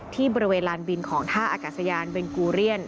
ที่บริเวณลานบินของท่าอากาศยานเบนกูเรียน